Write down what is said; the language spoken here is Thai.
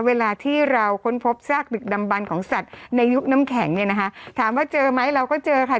เวลาที่เราค้นพบซากดึกดำบันของสัตว์ในยุคน้ำแข็งเนี่ยนะคะถามว่าเจอไหมเราก็เจอค่ะ